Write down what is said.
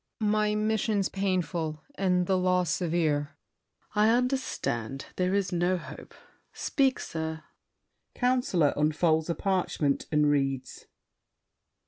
My mission's painful and the law severe— SAVERNY. I understand: there is no hope! Speak, sir! COUNCILOR (unfolds a parchment and reads).